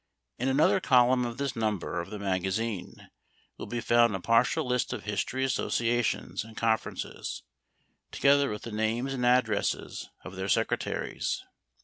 In another column of this number of the MAGAZINE will be found a partial list of history associations and conferences, together with the names and addresses of their secretaries.